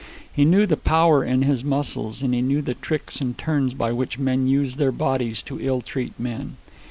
He knew the power in his muscles, and he knew the tricks and turns by which men use their bodies to ill treat men.